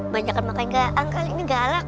banyak yang makan gak angkal ini galak